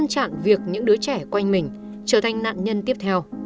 chặn việc những đứa trẻ quanh mình trở thành nạn nhân tiếp theo